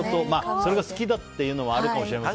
それが好きだっていうこともあるかもしれませんが。